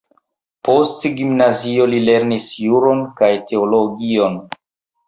Post gimnazio li lernis juron kaj teologion.